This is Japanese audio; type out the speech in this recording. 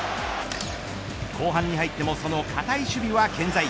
後半に入ってもその堅い守備は健在。